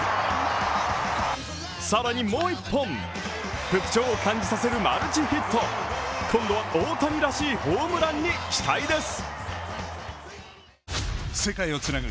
さらにもう１本復調を感じさせるマルチヒット、今度は大谷らしいホームランに期待です。